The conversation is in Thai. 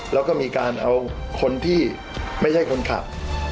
แล้วก็มีการเอาคนที่ไม่ใช่คนขับ